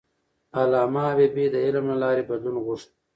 علامه حبيبي د علم له لارې بدلون غوښت.